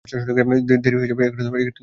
দেরি হয়ে যাবে।